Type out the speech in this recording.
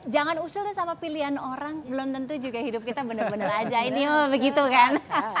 jangan usul deh sama pilihan orang belum tentu juga hidup kita bener bener aja ini begitu kan